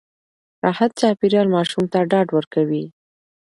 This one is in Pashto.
راحت چاپېريال ماشوم ته ډاډ ورکوي.